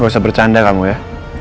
nggak usah bercanda kamu ya